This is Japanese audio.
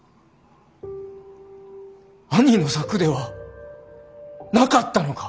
兄の策ではなかったのか。